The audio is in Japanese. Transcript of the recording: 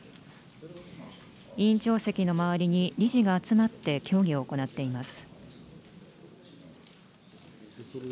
委員長席の周りに理事が集まって協議を行っています。